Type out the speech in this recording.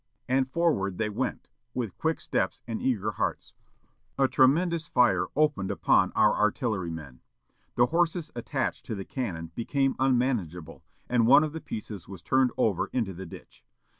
And forward they went, with quick steps and eager hearts. A tremendous fire opened upon our artillery men. The horses attached to the cannon became unmanageable, and one of the pieces was turned over into the ditch.